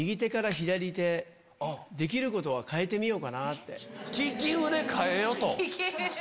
できることは変えてみようかなって。